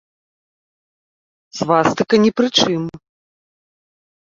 Свастыка ні пры чым.